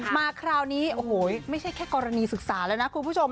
มาคราวนี้โอ้โหไม่ใช่แค่กรณีศึกษาแล้วนะคุณผู้ชม